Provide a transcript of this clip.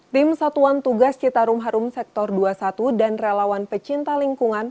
tim satuan tugas citarum harum sektor dua puluh satu dan relawan pecinta lingkungan